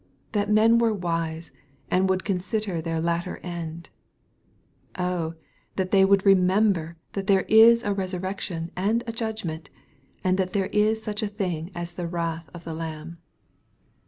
that men were wise, and would consider their latter end 1 Oh I that they would remember that there is a resurrection and a judgment, and that there is such a thing as the wrath of the Lamb